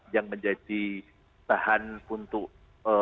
yang menjadi bahan untuk